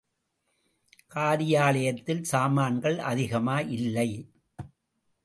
காரியாலயத்தில் சாமான்கள் அதிகமாயில்லை.